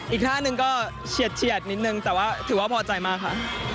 อีกท่านึงก็เฉียดนิดนึงแต่ว่าถือว่าพอใจมากค่ะ